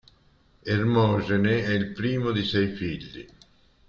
Ermogene è il primo di sei figli.